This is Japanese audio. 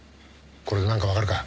これで何か分かるか？